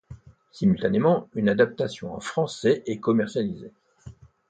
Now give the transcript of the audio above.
Simultanément, une adaptation en français est commercialisée.